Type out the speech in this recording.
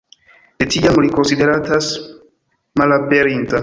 De tiam li konsideratas malaperinta.